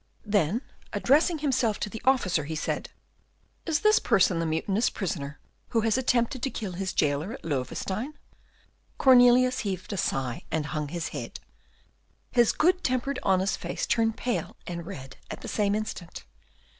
Then addressing himself to the officer, he said, "Is this person the mutinous prisoner who has attempted to kill his jailer at Loewestein?" Cornelius heaved a sigh and hung his head. His good tempered honest face turned pale and red at the same instant.